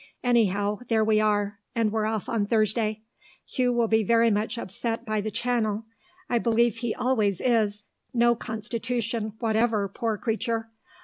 Anyhow there we are, and we're off on Thursday. Hugh will be very much upset by the Channel; I believe he always is; no constitution whatever, poor creature.